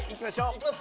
いきます。